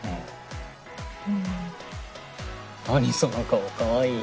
何その顔かわいい。